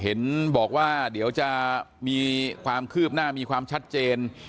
เห็นบอกว่าเดี๋ยวจะมีความคืบหน้ามีความชัดเจน